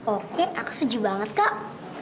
oke aku seju banget kak